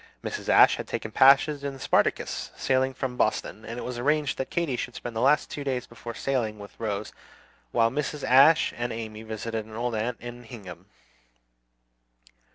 Mrs. Ashe had taken passage in the "Spartacus," sailing from Boston; and it was arranged that Katy should spend the last two days before sailing, with Rose, while Mrs. Ashe and Amy visited an old aunt in Hingham.